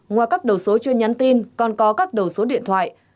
ngoài các đầu số chuyên nhắn tin còn có các đầu số điện thoại